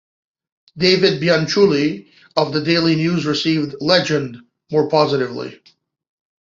David Bianculli of the Daily News received "Legend" more positively.